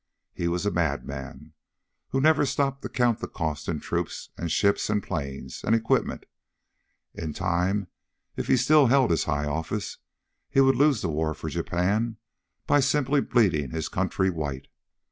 He was a madman who never stopped to count the cost in troops, and ships, and planes, and equipment. In time, if he still held his high office, he would lose the war for Japan by simply bleeding his country white.